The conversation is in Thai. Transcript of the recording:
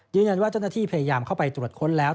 ยืนยันว่าเจ้าหน้าที่พยายามเข้าไปตรวจค้นแล้ว